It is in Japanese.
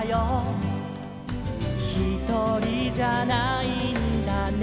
「ひとりじゃないんだね」